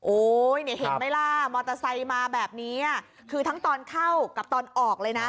เนี่ยเห็นไหมล่ะมอเตอร์ไซค์มาแบบนี้คือทั้งตอนเข้ากับตอนออกเลยนะ